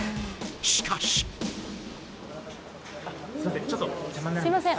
しかしすいません